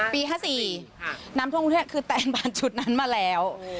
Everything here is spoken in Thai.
ปี๕๔น้ำท่วมกรุงเทพคือแตนบานจุดนั้นมาแล้ว